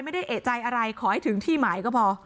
ไม่ได้เอกใจอะไรขอให้ถึงที่หมายก็พอ